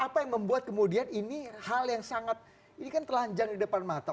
apa yang membuat kemudian ini hal yang sangat ini kan telanjang di depan mata